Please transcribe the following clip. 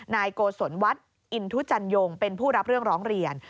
นายโกศลวัฒน์อินทุจันยงเป็นผู้รับเรื่องร้องเรียน